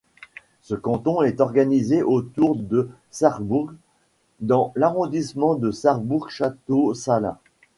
Ce canton est organisé autour de Sarrebourg dans l'arrondissement de Sarrebourg-Château-Salins.